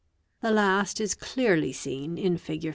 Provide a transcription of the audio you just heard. The last is clearly seen in Fig.